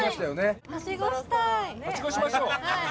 はしごしましょう。